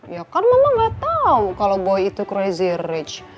ya kan mama gak tahu kalau boy itu crazy rich